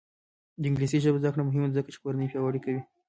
د انګلیسي ژبې زده کړه مهمه ده ځکه چې کورنۍ پیاوړې کوي.